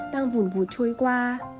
đang vùn vùn trôi qua